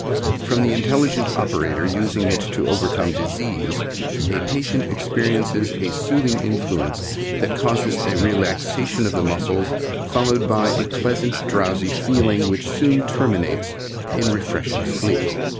From the intelligent operator using it to overcome disease, a patient experiences a soothing influence that causes a relaxation of the muscles, followed by a pleasant, drowsy feeling which soon terminates in refreshing sleep.